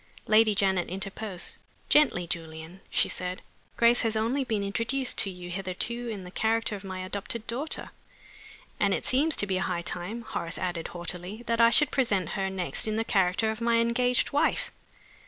Lady Janet interposed. "Gently, Julian," she said. "Grace has only been introduced to you hitherto in the character of my adopted daughter " "And it seems to be high time," Horace added, haughtily, "that I should present her next in the character of my engaged wife."